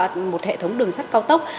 và có một hệ thống đường sắt cao